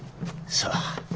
さあ。